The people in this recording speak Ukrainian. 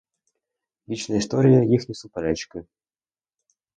Вічна історія — їхні суперечки.